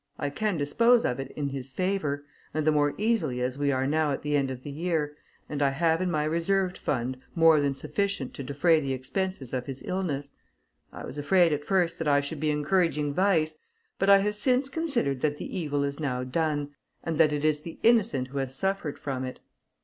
I can dispose of it in his favour, and the more easily as we are now at the end of the year, and I have in my reserved fund more than sufficient to defray the expenses of his illness. I was afraid at first that I should be encouraging vice; but I have since considered that the evil is now done, and that it is the innocent who has suffered from it.